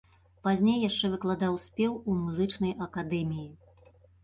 Пазней яшчэ выкладаў спеў у музычнай акадэміі.